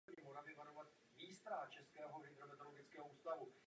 Dámy a pánové, vítám právě přijaté závěrečné rozhodnutí.